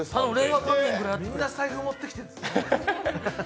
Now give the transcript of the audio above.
みんな財布持ってきてんの。